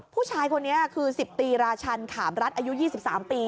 ผู้ชายคนนี้คือ๑๐ตรีราชันขามรัฐอายุ๒๓ปี